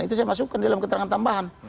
itu saya masukkan di dalam keterangan tambahan